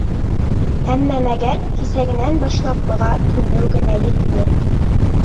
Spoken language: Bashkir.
Әммә мәгәр, кисәгенән башлап быға күнеү генә етмәй.